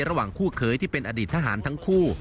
ระหว่างคู่เคยที่เป็นอดีตทหารทั้งคู่